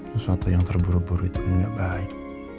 sesuatu yang terburu buru itu tidak baik